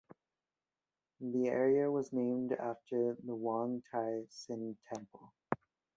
The area was named after the Wong Tai Sin Temple.